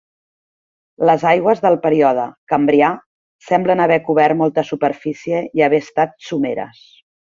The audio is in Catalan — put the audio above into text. Les aigües del període Cambrià semblen haver cobert molta superfície i haver estat someres.